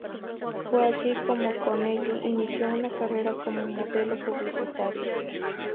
Fue así como Connelly inició una carrera como modelo publicitaria.